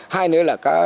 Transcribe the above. hai nữa là